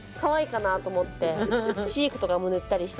チークとかも塗ったりしてて。